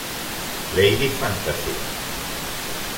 Lady Fantasy